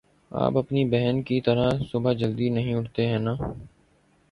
آپ اپنی بہن کی طرح صبح جلدی نہیں اٹھتے، ہے نا؟